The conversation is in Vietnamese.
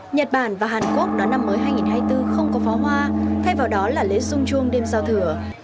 nhật bản và hàn quốc đón năm mới hai nghìn hai mươi bốn không có pháo hoa thay vào đó là lễ sung chuông đêm giao thừa